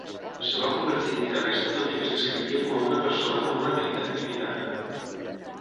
Es va convertir en guitarrista tot i que es descrivia com a una persona amb una "habilitat limitada".